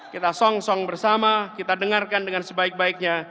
kita song song bersama kita dengarkan dengan sebaik baiknya